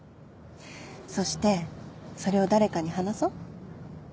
そしてそれを誰かに話そう